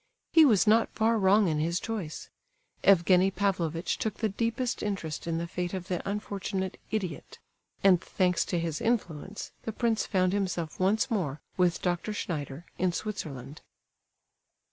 He was not far wrong in his choice. Evgenie Pavlovitch took the deepest interest in the fate of the unfortunate "idiot," and, thanks to his influence, the prince found himself once more with Dr. Schneider, in Switzerland.